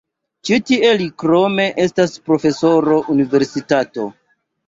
Ĉi tie li krome estas profesoro universitato.